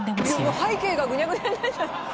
背景がぐにゃぐにゃになっちゃった！